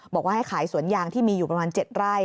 บอกว่าให้ขายสวนยางที่มีอยู่ประมาณ๗ไร่